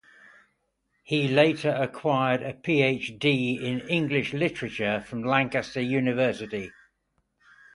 He later acquired a PhD in English Literature from Lancaster University.